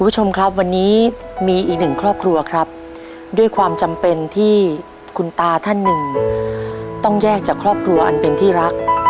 จะครอบครัวอันเป็นที่รัก